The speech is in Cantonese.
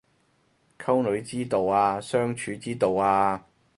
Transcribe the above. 溝女之道啊相處之道啊